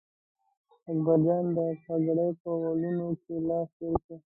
اکبرجان د پګړۍ په ولونو لاس تېر کړ.